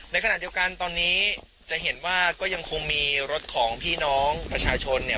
ในขณะเดียวกันตอนนี้จะเห็นว่าก็ยังคงมีรถของพี่น้องประชาชนเนี่ย